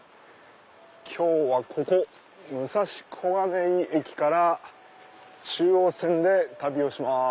今日はここ武蔵小金井駅から中央線で旅をします。